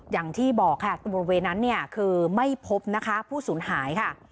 อย่างที่บอกค่ะบริเวณนั้นคือไม่พบผู้สูญหายค่ะ